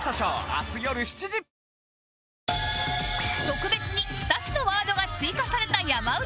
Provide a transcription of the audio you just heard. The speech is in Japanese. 特別に２つのワードが追加された山内